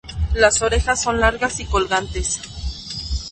Las orejas son largas y colgantes.